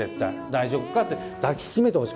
大丈夫かって抱き締めてほしかった。